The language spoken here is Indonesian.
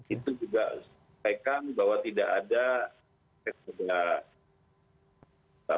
itu juga sampaikan bahwa tidak ada